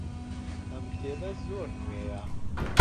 ئەم کتێبە زۆر نوێیە.